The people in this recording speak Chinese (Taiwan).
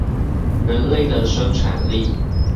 人類的生產力